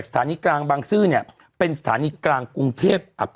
ติดปากแรก